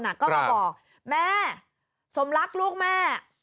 ก็มาบอกแม่สมรักลูกแม่